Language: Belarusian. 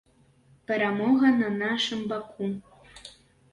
Перамога на нашым баку!